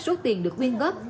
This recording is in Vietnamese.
số tiền được nguyên góp